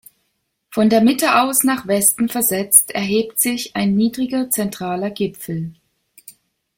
Von der Mitte aus nach Westen versetzt erhebt sich ein niedriger zentraler Gipfel.